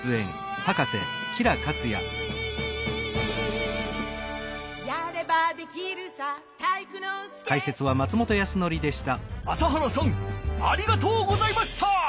朝原さんありがとうございました！